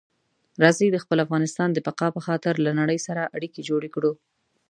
راځئ د خپل افغانستان د بقا په خاطر له نړۍ سره اړیکي جوړې کړو.